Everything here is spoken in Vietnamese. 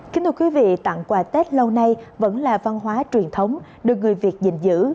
kính thưa quý vị tặng quà tết lâu nay vẫn là văn hóa truyền thống được người việt giữ